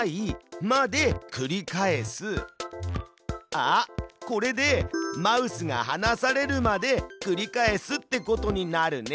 あっこれでマウスがはなされるまで繰り返すってことになるね。